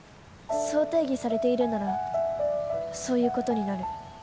そう定義されているならそういうことになる